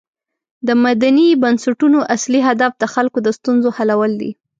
د مدني بنسټونو اصلی هدف د خلکو د ستونزو حلول دي.